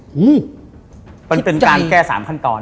มันเป็นการแก้๓ขั้นตอน